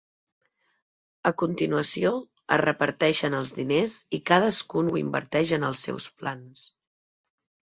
A continuació, es reparteixen els diners i cadascun ho inverteix en els seus plans.